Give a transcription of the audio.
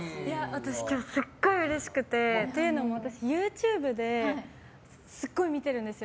私、すごい今日うれしくて。というのもＹｏｕＴｕｂｅですごい見てるんですよ。